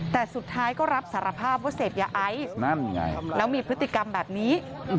แต่สุดท้ายก็รับสารภาพว่าเสพยาไอซ์นั่นไงแล้วมีพฤติกรรมแบบนี้